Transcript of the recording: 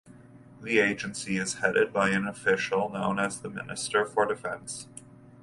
The agency is headed by an official known as the Minister for Defence.